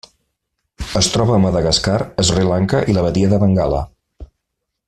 Es troba a Madagascar, Sri Lanka i la Badia de Bengala.